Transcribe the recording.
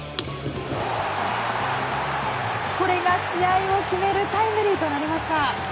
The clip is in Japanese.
これが試合を決めるタイムリーとなりました。